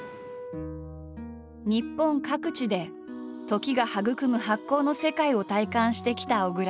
日本各地で時が育む発酵の世界を体感してきた小倉。